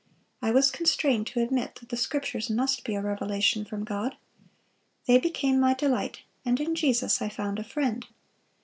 I was constrained to admit that the Scriptures must be a revelation from God. They became my delight; and in Jesus I found a friend.